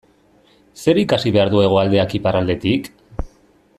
Zer ikasi behar du Hegoaldeak Iparraldetik?